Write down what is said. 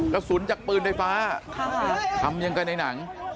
กระสุนจากปืนไฟฟ้าทำยังไงในหนัง